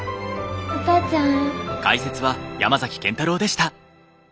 お父ちゃん？